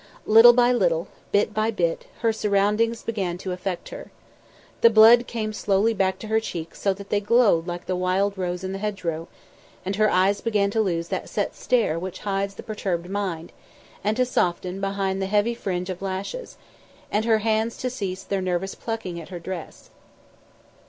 Little by little, bit by bit, her surroundings began to affect her. The blood came slowly back to her cheeks so that they glowed like the wild rose in the hedgerow; and her eyes began to lose that set stare which hides the perturbed mind, and to soften behind the heavy fringe of lashes, and her hands to cease their nervous plucking at her dress.